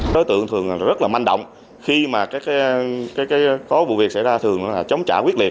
đối tượng thường rất là manh động khi mà có vụ việc xảy ra thường là chống trả quyết liệt